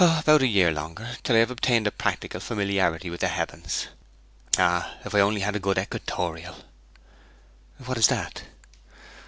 'About a year longer till I have obtained a practical familiarity with the heavens. Ah, if I only had a good equatorial!' 'What is that?'